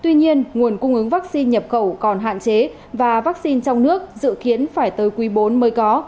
tuy nhiên nguồn cung ứng vaccine nhập khẩu còn hạn chế và vaccine trong nước dự kiến phải tới quý bốn mới có